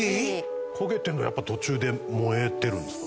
焦げてるのはやっぱ途中で燃えてるんですか？